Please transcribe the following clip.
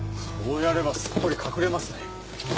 そうやればすっぽり隠れますね。